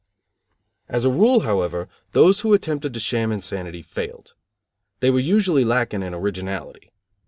As a rule, however, those who attempted to sham insanity failed. They were usually lacking in originality.